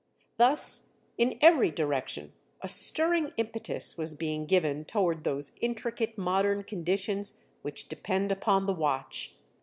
Thus, in every direction a stirring impetus was being given toward those intricate modern conditions which depend upon the watch.